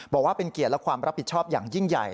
บอกว่าเป็นเกียรติและความรับผิดชอบอย่างยิ่งใหญ่